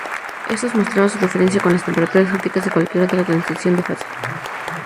Esto mostraba su diferencia con las temperaturas críticas de cualquier otra transición de fase.